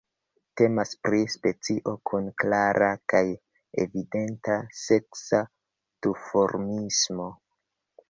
Temas pri specio kun klara kaj evidenta seksa duformismo.